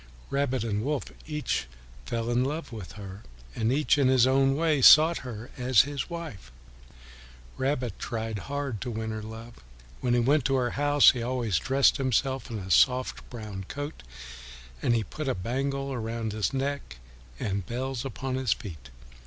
Rabbit and Wolf each fell in love with her, and each in his own way sought her as his wife. Rabbit tried hard to win her love. When he went to her house he always dressed himself in a soft brown coat, and he put a bangle around his neck and bells upon his feet.